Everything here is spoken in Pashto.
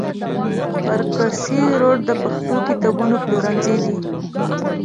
پر کاسي روډ د پښتو کتابونو پلورنځي دي.